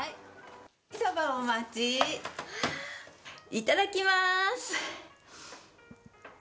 いただきます。